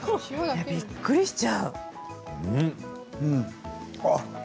びっくりしちゃう。